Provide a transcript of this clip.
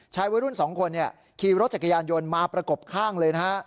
วัยรุ่น๒คนขี่รถจักรยานยนต์มาประกบข้างเลยนะฮะ